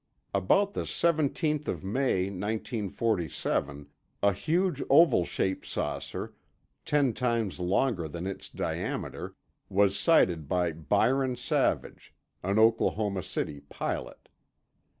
About the seventeenth of May 1947, a huge oval shaped saucer ten times longer than its diameter was sighted by Byron Savage, an Oklahoma City pilot.